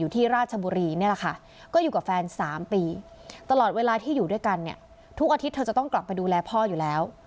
เธออยู่กับแฟน๓ปีตลอดเวลาที่อยู่ด้วยกันทุกอาทิตย์เธอจะต้องกลับไปดูแลพ่ออยู่แล้ว